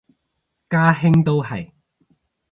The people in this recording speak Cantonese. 家兄都係